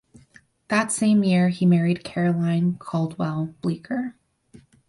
That same year he married Caroline (Caldwell) Bleecker.